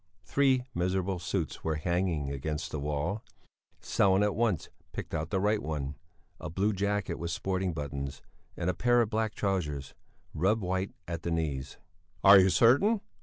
Three miserable suits were hanging against the wall. Sellén at once picked out the right one; a blue jacket with sporting buttons, and a pair of black trousers, rubbed white at the knees. "Are you certain?"